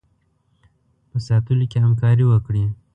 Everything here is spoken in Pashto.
په ساتلو کې همکاري وکړي.